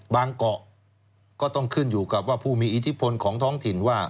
เกาะก็ต้องขึ้นอยู่กับว่าผู้มีอิทธิพลของท้องถิ่นว่า